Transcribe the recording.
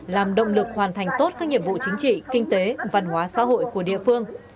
làm động lực hoàn thành tốt các nhiệm vụ chính trị kinh tế văn hóa xã hội của địa phương